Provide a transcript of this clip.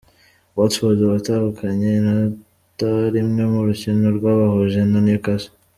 Watford watahukanye inota rimwe mu rukino rwabahuje na Newcastle.